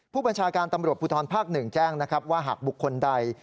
ผู้บัญชาการตำรวจพภ๑แจ้งว่าหากบุคคลใด